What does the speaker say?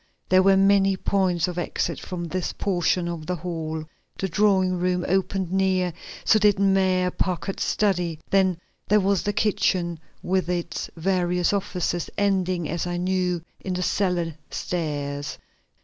there were many points of exit from this portion of the hall. The drawing room opened near; so did Mayor Packard's study; then there was the kitchen with its various offices, ending as I knew in the cellar stairs.